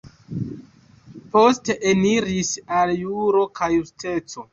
Poste eniris al Juro kaj Justeco.